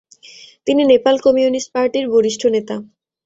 তিনি নেপাল কমিউনিস্ট পার্টির বরিষ্ঠ নেতা।